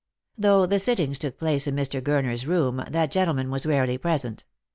Though the sittings took place in Mr. Gurner's room, that gentleman was rarely present.